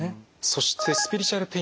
そしてスピリチュアルペイン。